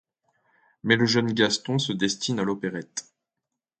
Mais le jeune Gaston se destine à l’opérette.